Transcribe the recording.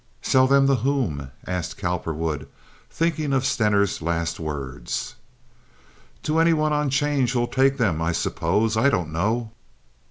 "Sell them to whom?" asked Cowperwood, thinking of Stener's last words. "To any one on 'change who'll take them, I suppose. I don't know."